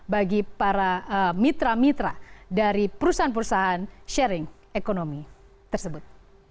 bagi para mitra mitra dari perusahaan perusahaan sharing ekonomi tersebut